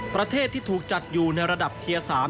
ประเทศที่ถูกจัดอยู่ในระดับเทียร์๓